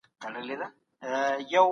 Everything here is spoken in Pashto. اسلامي ټولنه د عدالت ټولنه ده.